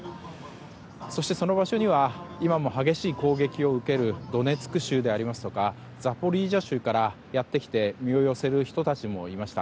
そして、その場所には今も激しい攻撃を受けるドネツク州やザポリージャ州からやってきて身を寄せる人たちもいました。